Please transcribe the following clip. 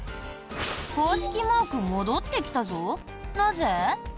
公式マーク戻ってきたぞなぜ？